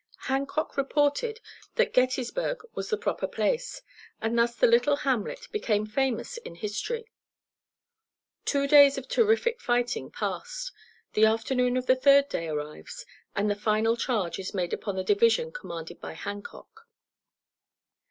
Hancock reported that Gettysburg was the proper place, and thus the little hamlet became famous in history; two days of terrific fighting passed; the afternoon of the third day arrives and the final charge is made upon the division commanded by Hancock.